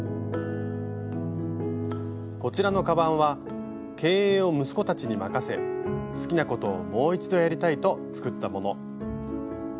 こちらのカバンは経営を息子たちに任せ好きなことをもう一度やりたいと作ったもの。